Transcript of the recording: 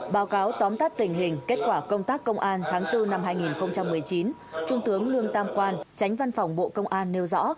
báo cáo tóm tắt tình hình kết quả công tác công an tháng bốn năm hai nghìn một mươi chín trung tướng lương tam quang tránh văn phòng bộ công an nêu rõ